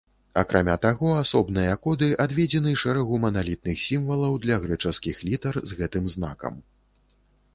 Акрамя таго, асобныя коды адведзены шэрагу маналітных сімвалаў для грэчаскіх літар з гэтым знакам.